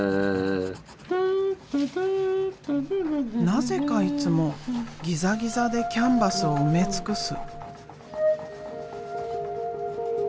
なぜかいつもギザギザでキャンバスを埋め尽くす。